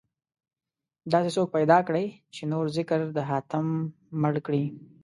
داسې څوک پيدا کړئ، چې نور ذکر د حاتم مړ کړي